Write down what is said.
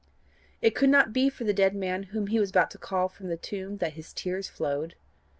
It could not be for the dead man whom he was about to call from the tomb, that his tears flowed.